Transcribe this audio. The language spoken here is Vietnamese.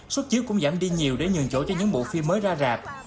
xuất chiếu cũng giảm đi nhiều để nhường chỗ cho những bộ phim mới ra rạp